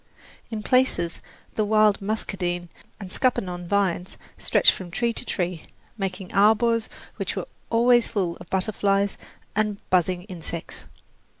In places the wild muscadine and scuppernong vines stretched from tree to tree, making arbours which were always full of butterflies and buzzing insects.